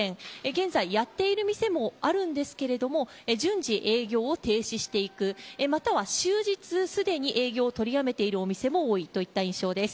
現在、やっている店もあるんですけれども順次、営業を停止していくまたは、終日すでに営業を取りやめているお店も多いといった印象です。